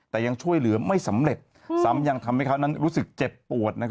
แต่ยังช่วยเหลือไม่สำเร็จซ้ำยังทำให้เขานั้นรู้สึกเจ็บปวด